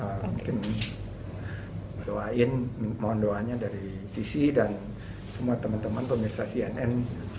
mungkin doain mohon doanya dari sisi dan semua teman teman pemirsa cnn